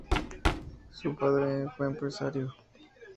Su padre fue empresario.